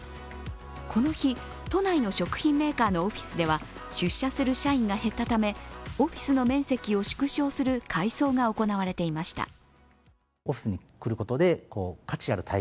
この日、都内の食品メーカーのオフィスでは出社する社員が減ったためオフィスの面積を縮小する改装が行われていました。